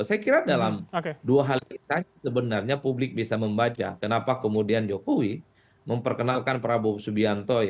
saya kira dalam dua hal saja sebenarnya publik bisa membaca kenapa kemudian jokowi memperkenalkan prabowo subianto